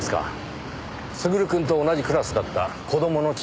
優くんと同じクラスだった子供の父親。